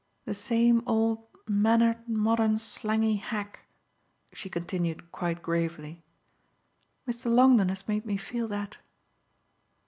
The same old mannered modern slangy hack," she continued quite gravely. "Mr. Longdon has made me feel that."